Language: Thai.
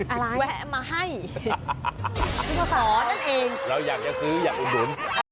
อะไรแวะมาให้พี่พศนั่นเองเราอยากจะซื้ออยากอุดหนุน